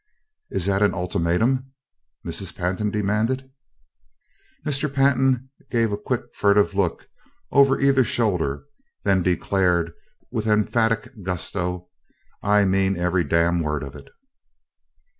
"Is that an ultimatum?" Mrs. Pantin demanded. Mr. Pantin gave a quick furtive look over either shoulder, then declared with emphatic gusto: "I mean every damn word of it!"